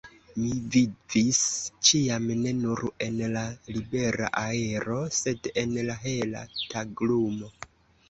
Mi vivis ĉiam ne nur en la libera aero, sed en la hela taglumo.